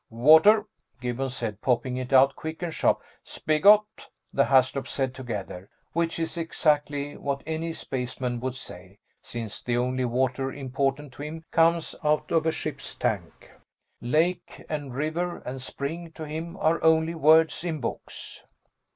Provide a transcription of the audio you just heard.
"Water," Gibbons said, popping it out quick and sharp. "Spigot," the Haslops said together. Which is exactly what any spaceman would say, since the only water important to him comes out of a ship's tank. "Lake" and "river" and "spring," to him, are only words in books.